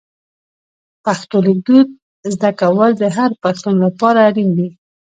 پښتو لیکدود زده کول د هر پښتون لپاره اړین دي.